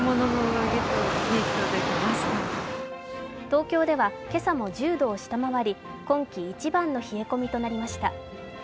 東京では今朝も１０度を下回り、今季一番の冷え込みとなりました。